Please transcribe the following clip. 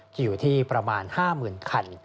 อยู่ที่ประมาณ๕๐๐๐คัน